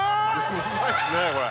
うまいっすねこれ。